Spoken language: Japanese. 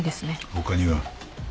他には？